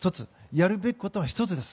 やるべきことは１つです。